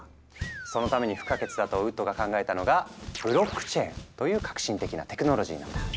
そのために不可欠だとウッドが考えたのが「ブロックチェーン」という超革新的なテクノロジーなんだ。